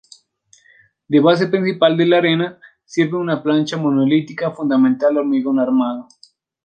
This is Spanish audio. De base principal de la arena sirve una plancha monolítica fundamental de hormigón armado.